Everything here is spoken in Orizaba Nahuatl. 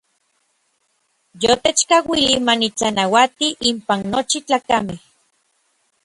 Yotechkauilij ma nitlanauati inpan nochi tlakamej.